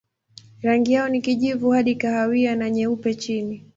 Rangi yao ni kijivu hadi kahawia na nyeupe chini.